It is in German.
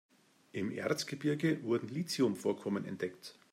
Im Erzgebirge wurden Lithium-Vorkommen entdeckt.